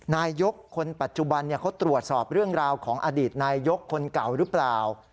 นายกคนปัจจุบันเขาตรวจสอบเรื่องราวของอดีตนายยกคนเก่าหรือเปล่า